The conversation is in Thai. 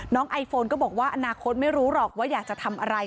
ไอโฟนก็บอกว่าอนาคตไม่รู้หรอกว่าอยากจะทำอะไร